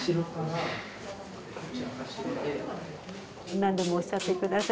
何でもおっしゃって下さい。